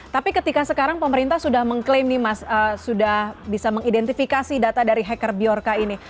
tapi ketika sekarang pemerintah sudah mengklaim nih mas sudah bisa mengidentifikasi data dari hacker biorca ini